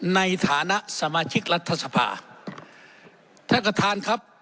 ในฐานะสมาชิกรัฐสภาท่านประธานครับ